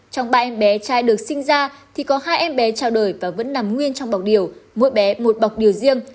trong ba em bé trai được sinh ra thì có hai em bé trao đổi và vẫn nằm nguyên trong bọc điều mỗi bé một bọc điều riêng